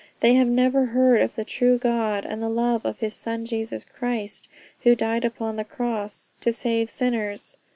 They have never heard of the true God, and the love of his Son Jesus Christ, who died upon he cross to save sinners.